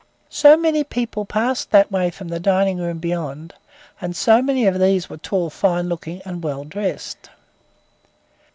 So many people passed that way from the dining room beyond, and so many of these were tall, fine looking and well dressed.